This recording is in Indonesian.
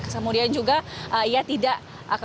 kemudian juga ia tidak kemudian melakukan teguran